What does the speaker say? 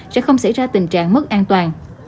sẽ không xảy ra tình trạng mất an toàn